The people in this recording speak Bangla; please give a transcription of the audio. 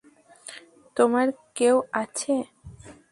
তোমার কেউ আছে?